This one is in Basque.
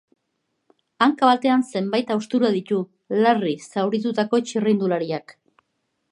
Hanka batean zenbait haustura ditu larri zauritutako txirrindulariak.